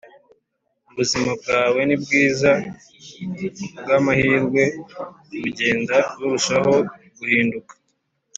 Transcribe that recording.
ubuzima bwawe ntibwiza kubwamahirwe, bugenda burushaho guhinduka.